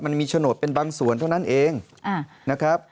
มันมีโฉนดเป็นบางส่วนเท่านั้นเองนะครับ